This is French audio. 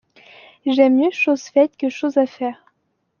J’aime mieux chose faite que chose à faire.